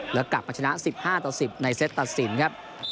แล้วกลับมาชนะ๑๕ต่อ๑๐ในเซตตัดสินครับ